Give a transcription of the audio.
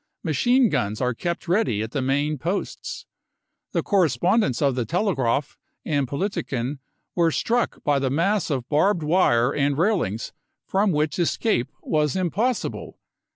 Machine guns are kept ready at the main posts. The corre spondents of the Telegraaf and Politiken were struck by the mass of barbed wire and railings from which escape was impossible.